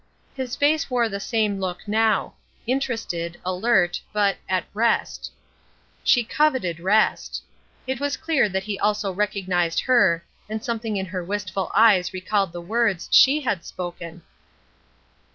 His face wore the same look now interested, alert, but at rest. She coveted rest. It was clear that he also recognized her, and something in her wistful eyes recalled the words she had spoken.